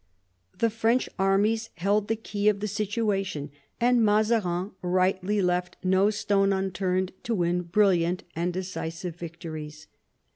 The French armies held the key of the situation, and Mazarin rightly left no stone unturned to win brilliant • and decisive victories.